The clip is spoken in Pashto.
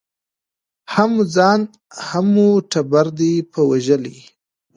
هم مو ځان هم مو ټبر دی په وژلی